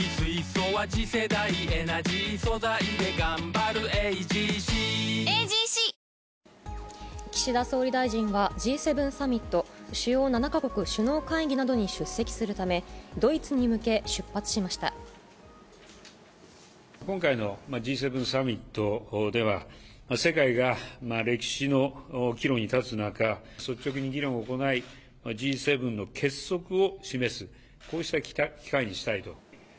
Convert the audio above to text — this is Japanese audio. まあね、岸田総理大臣は、Ｇ７サミット・主要７か国首脳会議などに出席するため、ドイツに今回のＧ７サミットでは、世界が歴史の岐路に立つ中、率直に議論を行いＧ７の結束を示す、こうした機会にしたいと。